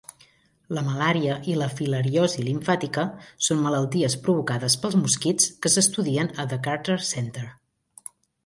La malària i la filariosi limfàtica són malalties provocades pels mosquits que s"estudien a The Carter Center.